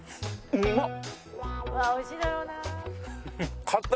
うまっ！